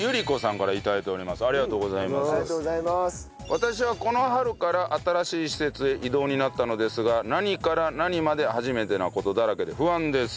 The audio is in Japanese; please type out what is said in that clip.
私はこの春から新しい施設へ異動になったのですが何から何まで初めてな事だらけで不安です。